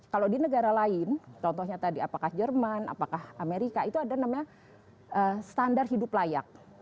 kalau di negara lain contohnya tadi apakah jerman apakah amerika itu ada namanya standar hidup layak